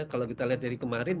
kalau kita lihat dari kemarin